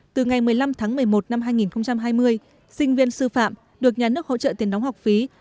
từ ngày một mươi năm tháng một mươi một năm hai nghìn hai mươi sinh viên sư phạm được nhà nước hỗ trợ tiền đóng học phí